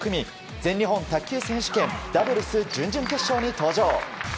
全日本卓球選手権ダブルス準々決勝に登場。